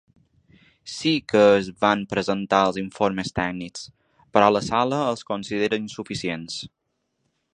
“Sí que es van presentar els informes tècnics, però la sala els considera insuficients”.